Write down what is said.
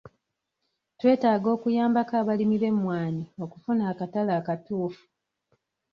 Twetaaga okuyambako abalimi b'emmwanyi okufuna akatale akatuufu.